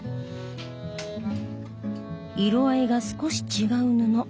色合いが少し違う布。